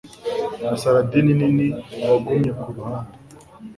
na Saladin nini wagumye kuruhande